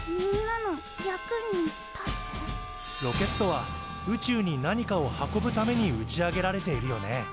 ロケットは宇宙に何かを運ぶために打ち上げられているよね。